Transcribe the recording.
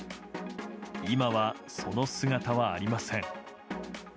今は、その姿はありません。